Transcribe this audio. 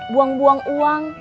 buang buang uang